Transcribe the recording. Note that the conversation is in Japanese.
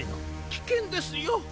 きけんですよ。